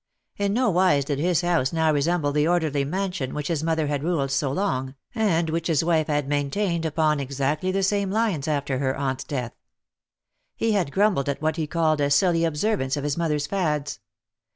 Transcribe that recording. In nowise did his house now resemble the orderly mansion which his mother had ruled so long, and which his wife had maintained upon exactly the same lines after her aunt^s death. He had grumbled at what he called a silly observance of his mother^s fads.